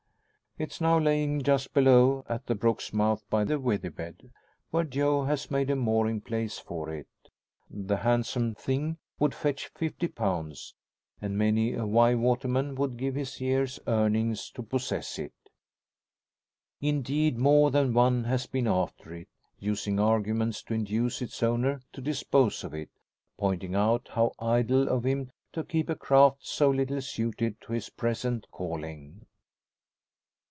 It is now lying just below, at the brook's mouth by the withey bed, where Joe has made a mooring place for it. The handsome thing would fetch 50 pounds; and many a Wye waterman would give his year's earnings to possess it. Indeed, more than one has been after it, using arguments to induce its owner to dispose of it pointing out how idle of him to keep a craft so little suited to his present calling!